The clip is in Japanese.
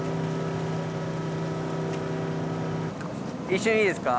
一瞬いいですか？